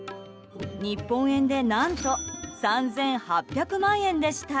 日本円で何と３８００万円でした。